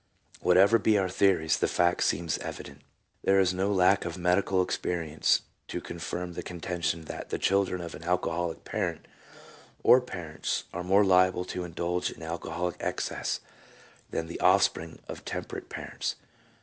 1 Whatever be our theories, the facts seem evident. There is no lack of medical experience to confirm the contention that the children of an alcoholic parent or parents are more liable to indulge in alcoholic excess than the offspring of temperate parents.